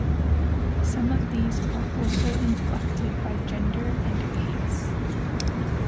Some of these are also inflected by gender and case.